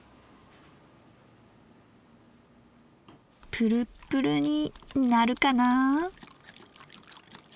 プルプルになるかな。